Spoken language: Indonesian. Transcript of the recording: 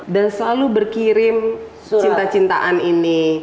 dan selalu berkirim cinta cintaan ini